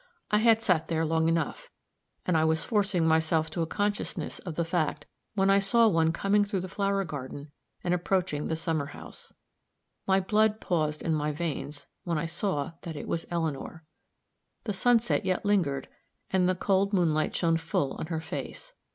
I had sat there long enough, and I was forcing myself to a consciousness of the fact, when I saw one coming through the flower garden and approaching the summer house. My blood paused in my veins when I saw that it was Eleanor. The sunset yet lingered, and the cold moonlight shone full on her face.